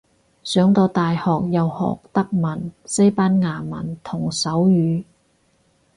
上到大學有學德文西班牙文同手語